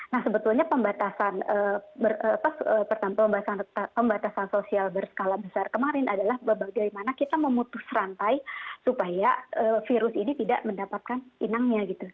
nah sebetulnya pembatasan sosial berskala besar kemarin adalah bagaimana kita memutus rantai supaya virus ini tidak mendapatkan inangnya gitu